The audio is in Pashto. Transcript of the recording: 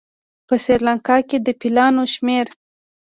په سریلانکا کې د فیلانو شمېر